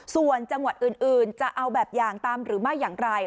ส่วนจังหวัดอื่นจะเอาแบบอย่างตามหรือไม่อย่างไร